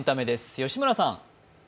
吉村さん。